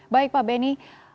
baik pak benny